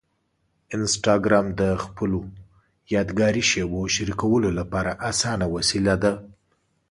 انسټاګرام د خپلو یادګاري شېبو شریکولو لپاره اسانه وسیله ده.